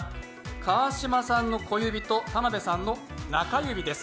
川島さんの小指と田辺さんの中指です。